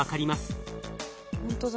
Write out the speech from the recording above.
ほんとだ。